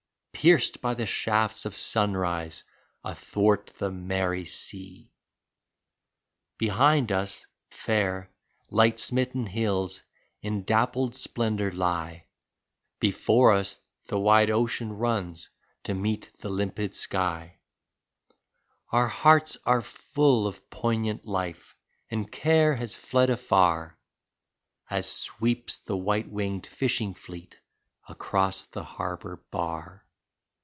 Pierced by the shafts of sunrise athwart the merry sea ! Behind us, fair, light smitten hills in dappled splendor lie, Before us the wide ocean runs to meet the limpid sky — Our hearts are full of poignant life, and care has fled afar As sweeps the white winged fishing fleet across the har bor bar.